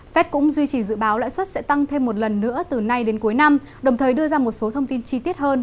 fed cũng duy trì dự báo lãi suất sẽ tăng thêm một lần nữa từ nay đến cuối năm đồng thời đưa ra một số thông tin chi tiết hơn